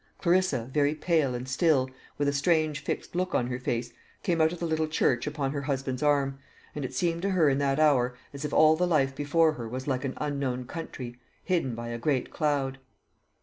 Clarissa, very pale and still, with a strange fixed look on her face, came out of the little church upon her husband's arm; and it seemed to her in that hour as if all the life before her was like an unknown country, hidden by a great cloud.